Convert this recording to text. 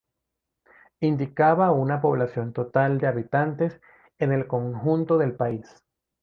Indicaba una población total de habitantes en el conjunto del país.